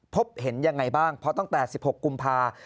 พบเห็นยังไงบ้างเพราะตั้งแต่๑๖กุมภา